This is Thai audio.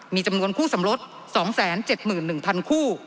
มีจำนวนคู่สำรส๒๗๑๐๐คู่